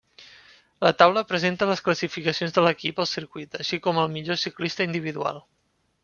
La taula presenta les classificacions de l'equip al circuit, així com el millor ciclista individual.